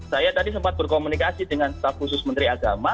saya tadi sempat berkomunikasi dengan staf khusus menteri agama